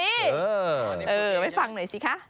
เออไปฟังหน่อยสิคะ